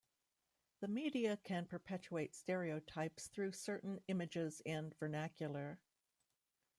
The media can perpetuate stereotypes through certain images and vernacular.